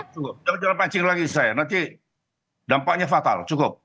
cukup cukup jangan jangan pancing lagi saya nanti dampaknya fatal cukup